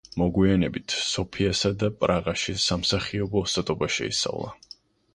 მოგვიანებით, სოფიასა და პრაღაში სამსახიობო ოსტატობა შეისწავლა.